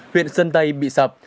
huyện sơn tây bị sập